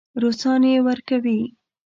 روسان یې ورکوي.